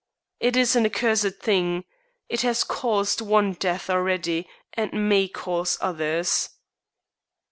"It is an accursed thing. It has caused one death already, and may cause others."